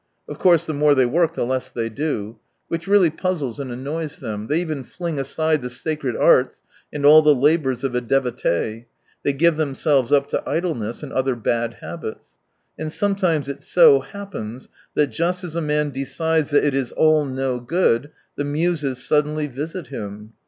Of course, the more they work the less they do. Which really puzzles and annoys them. They even fling aside the sacred arts, and all the labours of a devotee ; they give themselves up to idleness and other bad habits. And sometimes it so happens, that just as a man decides that it is all no good, the Muses suddenly visit him.